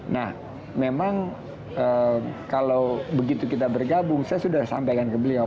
nah memang kalau begitu kita bergabung saya sudah sampaikan ke beliau